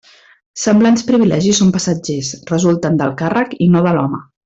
Semblants privilegis són passatgers; resulten del càrrec i no de l'home.